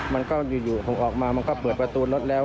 มันก็อยู่ผมออกมามันก็เปิดประตูรถแล้ว